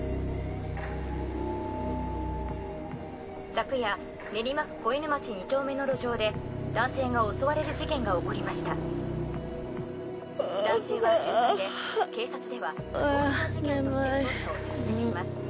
昨夜練魔区小犬街二丁目の路上で男性が襲われる事件が起こりました男性は重体で警察ではあ眠い通り魔事件として捜査を進めています